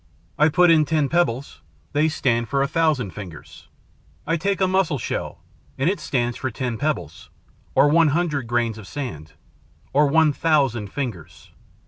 I put in ten pebbles. They stand for a thousand fingers. I take a mussel shell, and it stands for ten pebbles, or one hundred grains of sand, or one thousand fingers...."